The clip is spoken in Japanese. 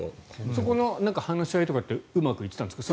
そこの話し合いとかってうまくいっていたんですか？